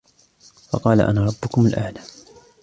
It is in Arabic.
فَقَالَ أَنَا رَبُّكُمُ الْأَعْلَى